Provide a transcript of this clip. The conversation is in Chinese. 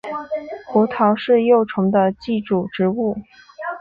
胡桃是幼虫的寄主植物。